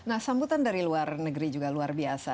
nah sambutan dari luar negeri juga luar biasa